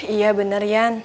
iya bener ian